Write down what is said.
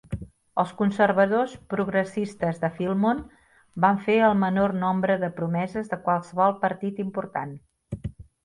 Els conservadors progressistes de Filmon van fer el menor nombre de promeses de qualsevol partit important.